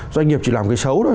doanh nghiệp chỉ làm cái xấu thôi